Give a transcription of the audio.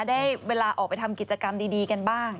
ได้เวลาออกไปทำกิจกรรมดีกันบ้าง